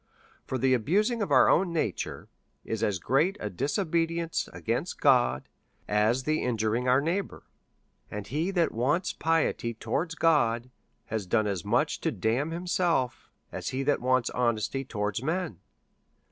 For the abusing of our own nature is as great a dis obedience against God as the injuring our neighbour; and he that wants piety towards God has done as much to damn himself as he that wants honesty to wards men.